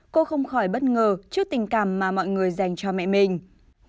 cô không khỏi bất ngờ trước tình cảm mà mọi người dành cho mẹ mình